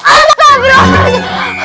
alamak berapa aja